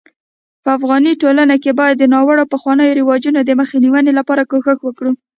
په افغاني ټولنه کي بايد د ناړوه پخوانيو رواجونو دمخ نيوي لپاره کوښښ وکړو